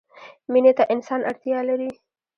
مینې ته انسان اړتیا لري.